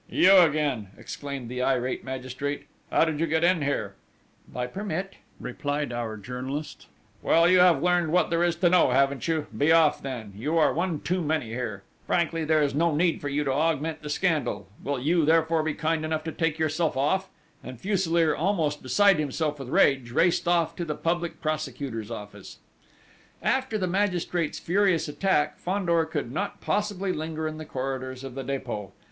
"You again!" exclaimed the irate magistrate: "How did you get in here?" "By permit," replied our journalist. "Well, you have learned what there is to know, haven't you? Be off, then! You are one too many here!... Frankly, there is no need for you to augment the scandal!... Will you, therefore, be kind enough to take yourself off?" And Fuselier, almost beside himself with rage, raced off to the Public Prosecutor's office. After the magistrate's furious attack, Fandor could not possibly linger in the corridors of the Dépôt.